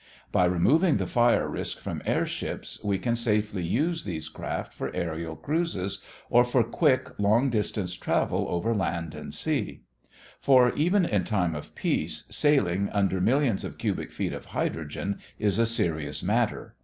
By removing the fire risk from airships we can safely use these craft for aërial cruises or for quick long distance travel over land and sea. For, even in time of peace, sailing under millions of cubic feet of hydrogen is a serious matter.